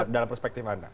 dalam perspektif anda